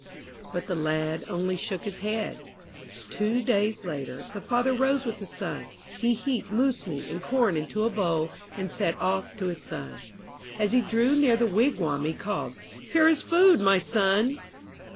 But the lad only shook his head. Two days later, the father rose with the sun. He heaped moose meat and corn into a wooden bowl and set off to his son. As he drew near the wigwam he called, "Here is food, my son."